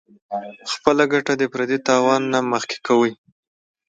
خپله ګټه د پردي تاوان نه مخکې کوي -